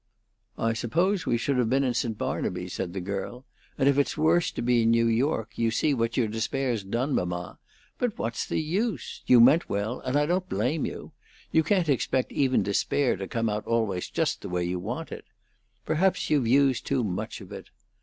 "I suppose we should have been in St. Barnaby," said the girl. "And if it's worse to be in New York, you see what your despair's done, mamma. But what's the use? You meant well, and I don't blame you. You can't expect even despair to come out always just the way you want it. Perhaps you've used too much of it."